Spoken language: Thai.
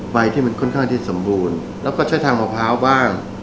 ที่มันค่อนข้างที่สมบูรณ์แล้วก็ใช้ทางมะพร้าวบ้าง